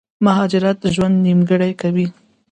مهاجرت ژوند نيمګړی کوي